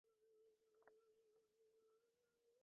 আমি বললাম, না দিপা।